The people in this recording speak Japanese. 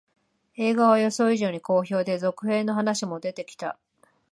映画は予想以上に好評で、続編の話も出てきた